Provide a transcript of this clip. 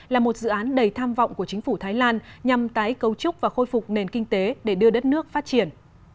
là một dự án đầy tham vọng của chính phủ thái lan nhằm tái cấu trúc và khôi phục nền kinh tế để đưa đất nước phát triển